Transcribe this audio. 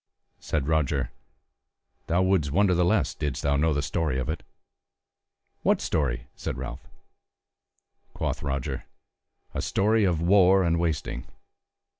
Said Roger: "Thou wouldst wonder the less didst thou know the story of it." "What story?" said Ralph. Quoth Roger: "A story of war and wasting."